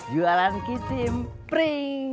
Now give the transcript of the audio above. jualan kicim pring